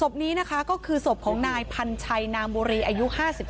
ศพนี้นะคะก็คือศพของนายพันชัยนางบุรีอายุ๕๓